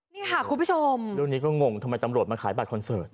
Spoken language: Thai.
นี่ค่ะคุณผู้ชมเรื่องนี้ก็งงทำไมตำรวจมาขายบัตรคอนเสิร์ต